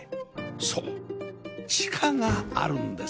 そう地下があるんです